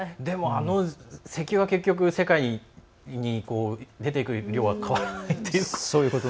石油が結局、世界に出ていく量は変わらないっていう。